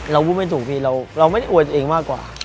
เราพูดไม่ถูกพี่เราไม่ได้อวยตัวเองมากกว่า